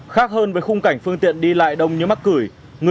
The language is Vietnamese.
khác hơn với khung cảnh phương tiện đi lại đông như mắt cửi